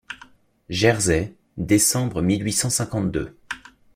Jersey, décembre mille huit cent cinquante-deux.